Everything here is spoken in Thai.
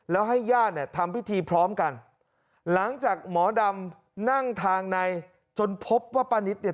แล้วให้ญาติเนี่ยทำพิธีพร้อมกันหลังจากหมอดำนั่งทางในจนพบว่าป้านิตเนี่ย